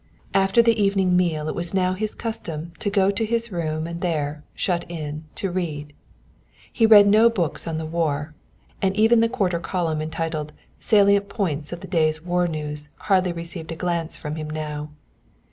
After the evening meal it was now his custom to go to his room and there, shut in, to read. He read no books on the war, and even the quarter column entitled Salient Points of the Day's War News hardly received a glance from him now.